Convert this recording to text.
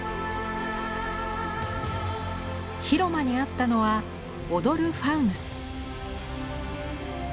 広間にあったのは「踊るファウヌス」。